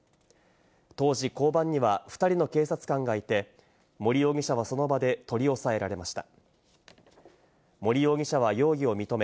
当時、交番には２人の警察官がいて、森容疑者はその場で取り押さえられました。